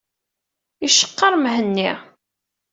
Iceqqeṛ Mhenni.